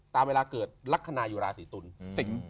ตามเวลาเกิดลักษณะอยู่ราศีตุล